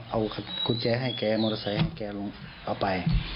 เอากุญแจให้แกมอเตอร์ไซค์ให้แกลงเอาไป